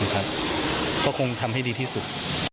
ก็คงทำให้ดีที่สุด